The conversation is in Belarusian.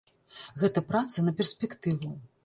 Гэта праца на перспектыву.